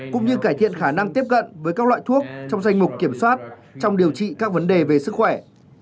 cũng như cải thiện khả năng tiếp cận với các loại thuốc trong danh mục kiểm soát trong điều trị các vấn đề về sức khỏe